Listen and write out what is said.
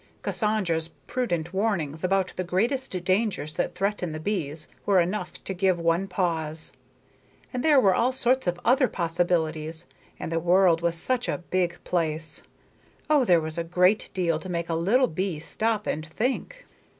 Cassandra's prudent warnings about the greatest dangers that threaten the bees, were enough to give one pause; and there were all sorts of other possibilities, and the world was such a big place oh, there was a good deal to make a little bee stop and think.